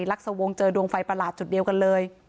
ลักษวงศ์เจอดวงไฟประหลาดจุดเดียวกันเลย